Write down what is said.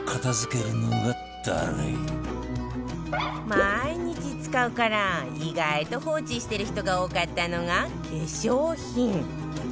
毎日使うから意外と放置してる人が多かったのが化粧品